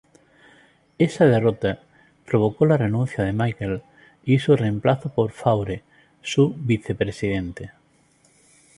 Esta derrota provocó la renuncia de Michel y su reemplazo por Faure, su vicepresidente.